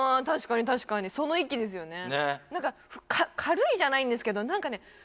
確かに確かにその域ですよね何か軽いじゃないんですけど何かね